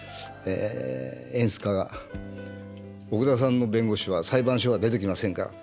演出家が「奥田さんの弁護士は裁判所が出てきませんから」。